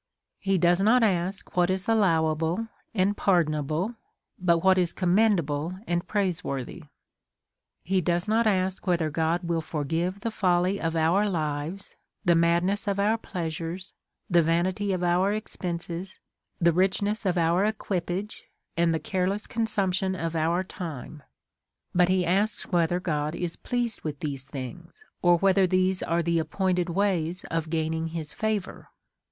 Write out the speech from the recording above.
He does not ask what is allowable and pardon able, but what is commendable and praiseworthy. He does not ask whether God will forgive the folly of our lives, the madness of our pleasures, the vanity of our expenses, the richness of our equipage, and the careless consumption of our time ; but lie asks whe ther God is pleased with these things, or whether these are the appointed ways of gaining his favour.